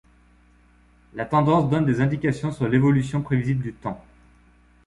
La tendance donne des indications sur l'évolution prévisible du temps.